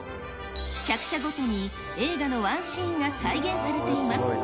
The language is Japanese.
客車ごとに映画のワンシーンが再現されています。